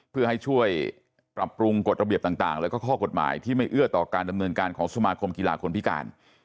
เพื่อให้ช่วยปรับปรุงกฎระเบียบต่างแล้วก็ข้อกฎหมายที่ไม่เอื้อต่อการดำเนินการของสมาคมกีฬาคนพิการ